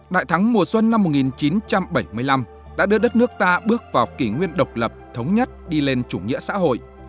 đại thắng mùa xuân năm một nghìn chín trăm bảy mươi năm đã đưa đất nước ta bước vào kỷ nguyên độc lập thống nhất đi lên chủ nghĩa xã hội